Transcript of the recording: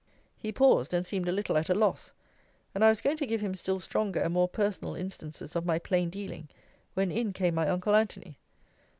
He paused, and seemed a little at a loss: and I was going to give him still stronger and more personal instances of my plain dealing; when in came my uncle Antony.